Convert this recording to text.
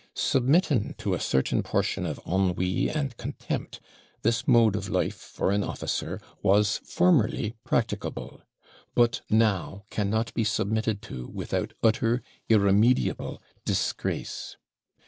Submitting to a certain portion of ennui and contempt, this mode of life for an officer was formerly practicable but now cannot be submitted to without utter, irremediable disgrace.